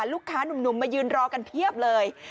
ลูกค้านุ่มมายืนรอกันเพียบเลย